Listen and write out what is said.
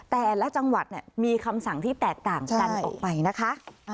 แต่ละจังหวัดมีคำสั่งที่แตกต่างกันออกไปนะคะ